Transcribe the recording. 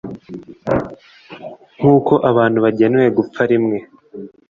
nk'uko abantu bagenewe gupfa rimwe,